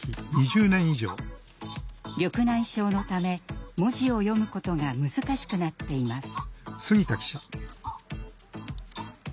緑内障のため、文字を読むことが難しくなっています。